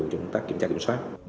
công tác kiểm tra kiểm soát